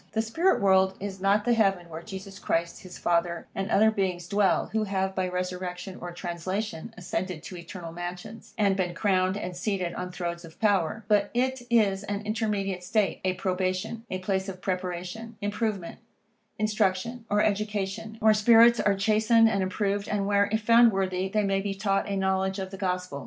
The spirit world is not the heaven where Jesus Christ, his Father, and other beings dwell, who have, by resurrection or translation, ascended to eternal mansions, and been crowned and seated on thrones of power; but it is an intermediate state, a probation, a place of preparation, improvement, instruction, or education, where spirits are chastened and improved, and where, if found worthy, they may be taught a knowledge of the Gospel.